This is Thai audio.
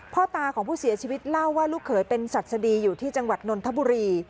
พ่อตาของผู้เสียชีวิตเล่าว่าลูกเขยเป็นศัษฎีอยู่ที่จังหวัดนนทบุรี